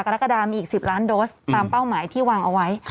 กรกฎามีอีก๑๐ล้านโดสตามเป้าหมายที่วางเอาไว้